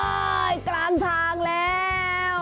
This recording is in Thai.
เฮ้ยกลางทางแล้ว